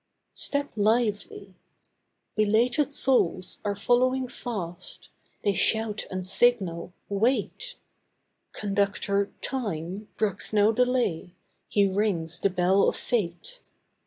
'Step lively!' Belated souls are following fast, They shout and signal, 'Wait.' Conductor Time brooks no delay, He rings the bell of Fate.